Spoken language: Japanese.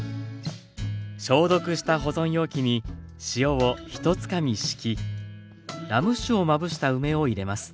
消毒した保存容器に塩を１つかみ敷きラム酒をまぶした梅を入れます。